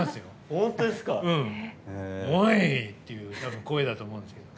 オイ！っていう声だと思うんですけど。